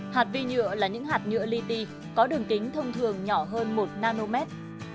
hạt vi nhựa là những hạt nhựa li ti có đường kính thông thường nhỏ hơn một nanomet